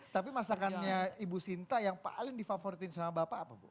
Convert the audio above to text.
tapi masakannya ibu sinta yang paling difavoritin sama bapak apa bu